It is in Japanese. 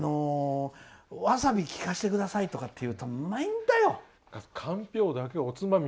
わさび利かせてくださいとか言うと、うまいんだよ！